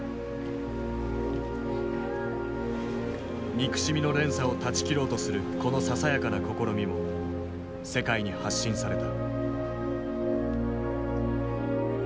憎しみの連鎖を断ち切ろうとするこのささやかな試みも世界に発信された。